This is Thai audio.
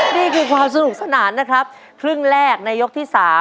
นี่คือความสนุกสนานนะครับครึ่งแรกในยกที่๓